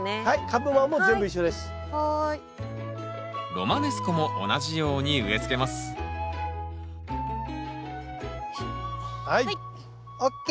ロマネスコも同じように植えつけますはい！ＯＫ！